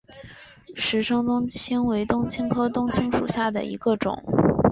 石生冬青为冬青科冬青属下的一个种。